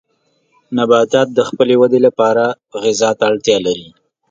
نباتات د خپلې ودې لپاره غذا ته اړتیا لري.